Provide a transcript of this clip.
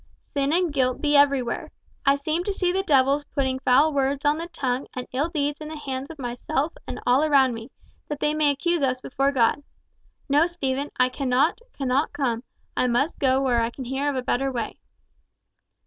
Sin and guilt be everywhere. I seem to see the devils putting foul words on the tongue and ill deeds in the hands of myself and all around me, that they may accuse us before God. No, Stephen, I cannot, cannot come, I must go where I can hear of a better way."